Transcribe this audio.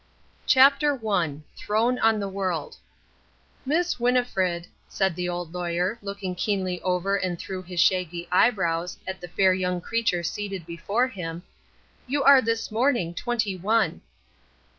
_ CHAPTER I THROWN ON THE WORLD "Miss Winnifred," said the Old Lawyer, looking keenly over and through his shaggy eyebrows at the fair young creature seated before him, "you are this morning twenty one."